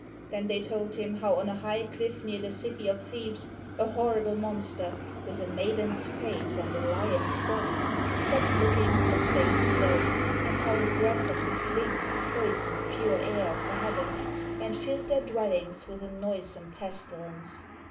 Then they told him how on a high clifif near the city of Thebes a horrible monster, with a maiden's face and a lion's body, sat looking on the plain below, and how the breath of the Sphinx poisoned the pure air of the heavens and filled their dwelHngs with a noisome pestilence.